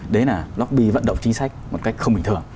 đấy là lopby vận động chính sách một cách không bình thường